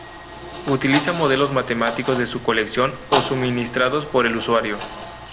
Utiliza modelos matemáticos de su colección o suministrados por el usuario.